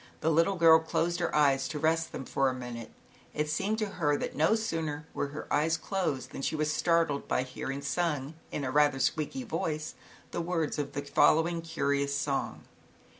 The little girl closed her eyes to rest them for a minute. It seemed to her that no sooner were her eyes closed than she was startled by hearing, sung in a rather squeaky voice, the words of the following curious song